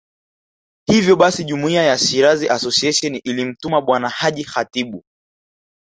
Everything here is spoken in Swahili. Hivyo basi Jumuiya ya Shirazi Association ilimtuma Bwana Haji Khatibu